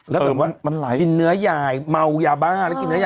กินเนื้อใหญ่เมาอย่าบ้า